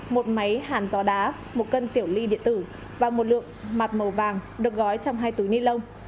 một máy hàn gió đá một cân tiểu ly điện tử và một lượng mặt màu vàng được gói trong hai túi ni lông